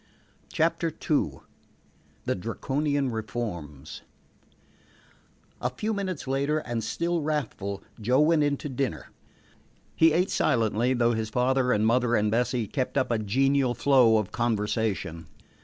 CHAPTER II "THE DRACONIAN REFORMS" A few minutes later, and still wrathful, Joe went in to dinner. He ate silently, though his father and mother and Bessie kept up a genial flow of conversation.